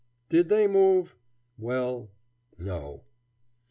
Did they move? Well, no!